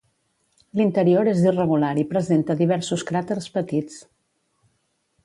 L'interior és irregular i presenta diversos cràters petits.